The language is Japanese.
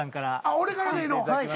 俺からでいいの？